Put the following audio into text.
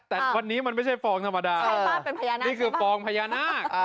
แต่วันนี้มันไม่ใช่ฟองธรรมดาชาวบ้านเป็นพญานาคนี่คือฟองพญานาค